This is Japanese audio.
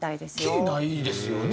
きりないですよね